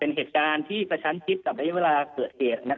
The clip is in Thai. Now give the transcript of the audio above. เป็นเหตุการณ์ที่ประชันทิพย์กับไม่เวลาเกิดเกษ